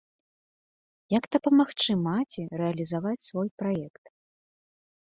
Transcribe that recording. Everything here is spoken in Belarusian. Як дапамагчы маці рэалізаваць свой праект?